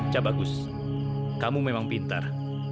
chabagus kamu memang pintar